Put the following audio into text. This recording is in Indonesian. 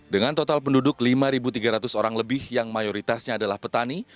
dengan total penduduk lima tiga ratus orang lebih yang mayoritasnya adalah petani